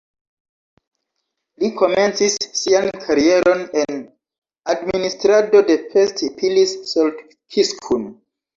Li komencis sian karieron en administrado de Pest-Pilis-Solt-Kiskun.